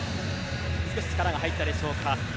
少し力が入ったでしょうか。